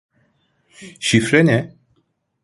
Şifre ne?